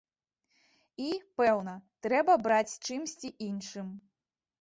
І, пэўна, трэба браць чымсьці іншым.